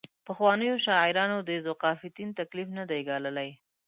پخوانیو شاعرانو د ذوقافیتین تکلیف نه دی ګاللی.